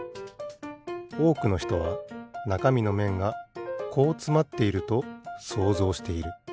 おおくのひとはなかみのめんがこうつまっていると想像している。